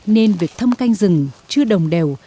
nên việc thâm canh rừng chưa đồng đều